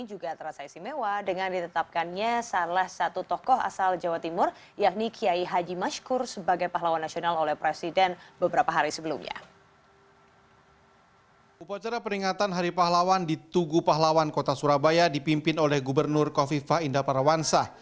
upacara peringatan hari pahlawan di tugu pahlawan kota surabaya dipimpin oleh gubernur kofifah indah parawansa